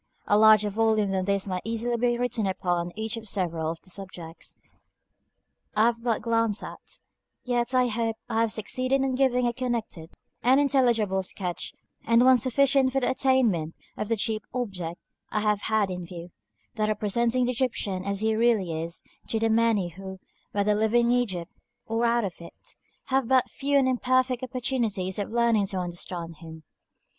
A larger volume than this might easily be written upon each of several of the subjects I have but glanced at, yet I hope I have succeeded in giving a connected and intelligible sketch and one sufficient for the attainment of the chief object I have had in view, that of presenting the Egyptian as he really is to the many who, whether living in Egypt or out of it, have but few and imperfect opportunities of learning to understand him.